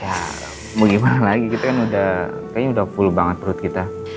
ya mau gimana lagi kita kan udah kayaknya udah full banget perut kita